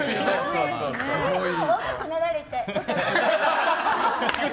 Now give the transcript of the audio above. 大きくなられて。